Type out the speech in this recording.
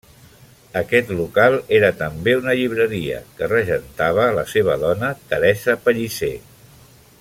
Aquest local era també una llibreria, que regentava la seva dona, Teresa Pellicer.